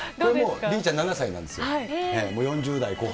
リリーちゃん７歳なんですよ。